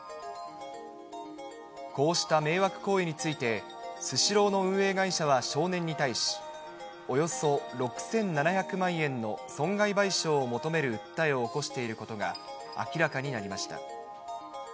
こうした迷惑行為について、スシローの運営会社は少年に対し、およそ６７００万円の損害賠償を求める訴えを起こしていることが明らかになりました。